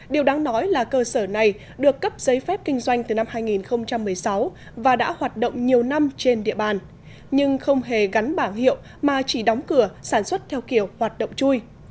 điều đáng nói là cơ sở này được cấp giấy phép kinh doanh từ năm hai nghìn một mươi sáu và đã hoạt động nhiều năm trên địa bàn nhưng không hề gắn bảng hiệu mà chỉ đóng cửa sản xuất theo kiểu hoạt động chui